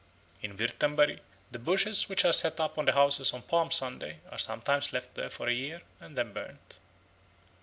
In Würtemberg the bushes which are set up on the houses on Palm Sunday are sometimes left there for a year and then burnt.